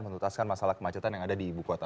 menutaskan masalah kemacetan yang ada di ibu kota